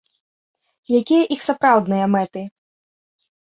Якія іх сапраўдныя мэты?